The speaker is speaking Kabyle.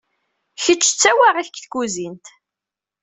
Kečč d tawaɣit deg tkuzint.